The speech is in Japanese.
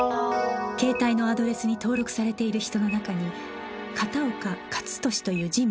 携帯のアドレスに登録されている人の中に片岡勝利という人物がいた